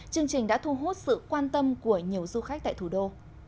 chương trình đã thu hút sự quan tâm của nhiều du khách tại thủ đô